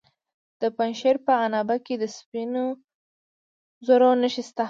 د پنجشیر په عنابه کې د سپینو زرو نښې شته.